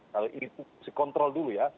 kalau ini fungsi kontrol dulu ya